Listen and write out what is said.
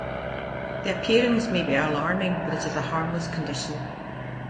The appearance may be alarming, but it is a harmless condition.